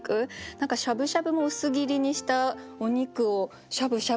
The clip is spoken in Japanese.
何かしゃぶしゃぶも薄切りにしたお肉をしゃぶしゃぶ。